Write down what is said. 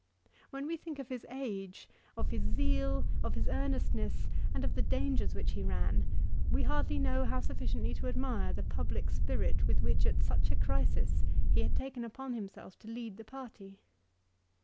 When we think of his age, of his zeal, of his earnestness and of the dangers which he ran, we hardly know how sufficiently to admire the public spirit with which at such a crisis he had taken upon himself to lead the party.